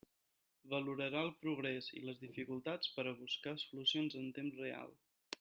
Valorarà el progrés i les dificultats per a buscar solucions en temps real.